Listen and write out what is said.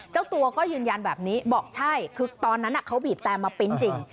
เจ้าตัวก็ยืนยันแบบนี้บอกใช่คือตอนนั้นเขาบีบแต่มาปริ้นต์จริง